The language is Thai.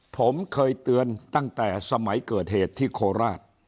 ผมเคยเตือนตั้งแต่สมัยเกิดเหตุที่โคราช